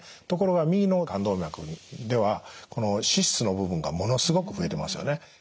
ところが右の冠動脈ではこの脂質の部分がものすごく増えてますよね。